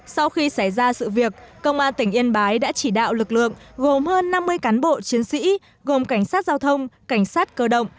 sau khi xảy ra sự việc công an tỉnh yên bái đã chỉ đạo lực lượng gồm hơn năm mươi cán bộ chiến sĩ gồm cảnh sát giao thông cảnh sát cơ động